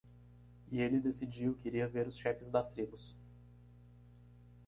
E ele decidiu que iria ver os chefes das tribos.